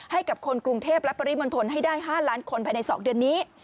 ให้กับคนกรุงเทพและปริมณฑลให้ได้๕ล้านคนภายใน๒เดือนนี้